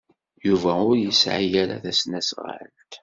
Yuba ur yesɛi ara tasnasɣalt.